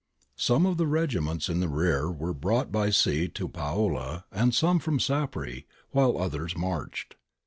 Some of the regiments in the rear were brought by sea from Paola and some from Sapri, while others marched.